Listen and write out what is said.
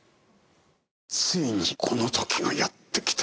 ついにこの時がやってきた。